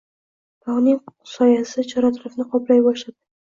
Tog‘ning soyasi chor-atrofni qoplay boshladi.